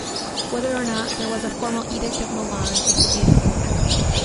Whether or not there was a formal 'Edict of Milan' is debatable.